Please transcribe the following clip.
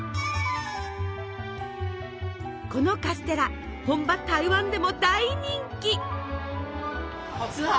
このカステラ本場台湾でも大人気。